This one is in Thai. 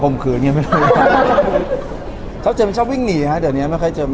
กลมครือเนี่ยไม่ได้นะครับใครครับนี่เองนะครับห่อเยี่ยมไม่ชอบวิ่งหนีฮะ